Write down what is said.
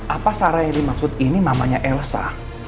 apa sara yang dimaksud ini mamanya elsa